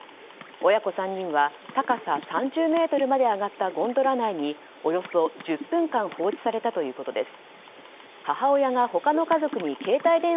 親子３人は高さ３０ｍまで上がったゴンドラ内におよそ１０分間放置されたということです。